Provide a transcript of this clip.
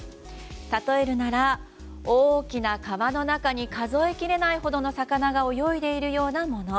たとえるなら大きな川の中に数えきれないほどの魚が泳いでいるようなもの。